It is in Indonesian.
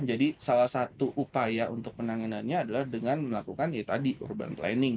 jadi salah satu upaya untuk penanganannya adalah dengan melakukan ya tadi urban planning